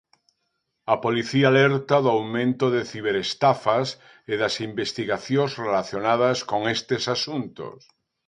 A Policía alerta do aumento de ciberestafas e das investigacións relacionadas con estes asuntos.